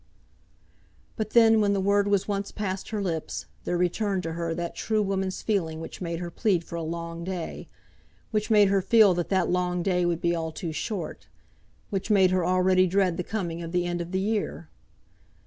But then, when the word was once past her lips, there returned to her that true woman's feeling which made her plead for a long day, which made her feel that that long day would be all too short, which made her already dread the coming of the end of the year.